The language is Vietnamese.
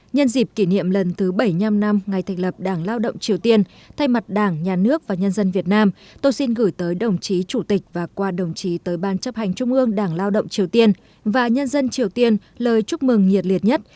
nhân dịp kỷ niệm lần thứ bảy mươi năm năm ngày thành lập đảng lao động triều tiên thay mặt đảng nhà nước và nhân dân việt nam tôi xin gửi tới đồng chí chủ tịch và qua đồng chí tới ban chấp hành trung ương đảng lao động triều tiên và nhân dân triều tiên lời chúc mừng nhiệt liệt nhất